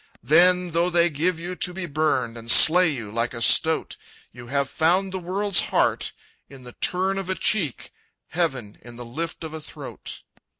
"Then, though they give you to be burned, And slay you like a stoat, You have found the world's heart in the turn of a cheek, Heaven in the lift of a throat.